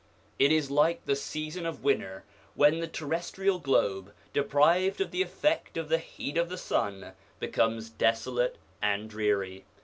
It is like the season of winter when the terrestrial globe, deprived of the effect of the heat of the sun, becomes desolate and dreary.